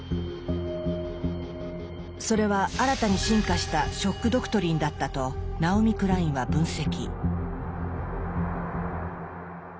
それは新たに進化した「ショック・ドクトリン」だったとナオミ・クラインは分析。